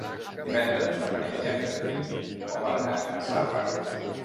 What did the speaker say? Divendres na Maria i en Garbí volen anar a Zarra.